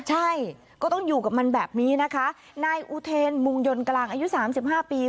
ใช่ก็ต้องอยู่กับมันแบบนี้นะคะนายอุเทนมุงยนต์กลางอายุสามสิบห้าปี